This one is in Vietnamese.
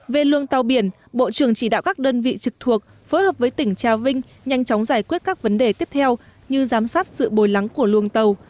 về lương tàu biển bộ trưởng chỉ đạo các đơn vị trực thuộc phối hợp với tỉnh trà vinh nhanh chóng giải quyết các vấn đề tiếp theo như giám sát sự bồi lắng của luồng tàu